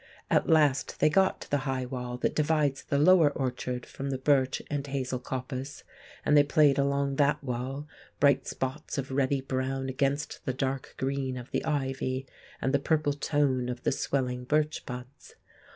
At last they got to the high wall that divides the lower orchard from the birch and hazel coppice, and they played along that wall, bright spots of reddy brown against the dark green of the ivy and the purple tone of the swelling birch buds.